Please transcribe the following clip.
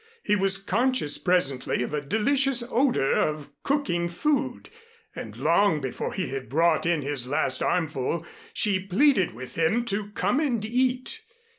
He was conscious presently of a delicious odor of cooking food; and long before he had brought in his last armful, she pleaded with him to come and eat.